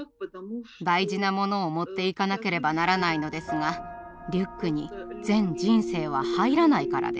大事なものを持っていかなければならないのですがリュックに全人生は入らないからです。